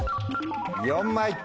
４枚。